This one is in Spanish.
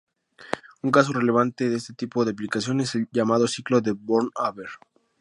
Un caso relevante de este tipo de aplicación es el llamado ciclo de Born-Haber.